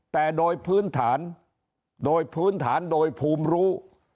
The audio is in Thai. แต่โดยพื้นฐานโดยภูมิรู้